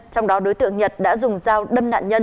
trong đó đối tượng nhật đã dùng dao đâm nạn nhân dẫn đến tử vong